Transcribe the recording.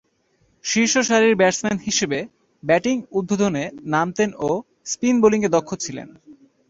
শীর্ষসারির batsman হিসেবে batting উদ্বোধনে নামতেন ও স্পিন বোলিংয়ে দক্ষ ছিলেন।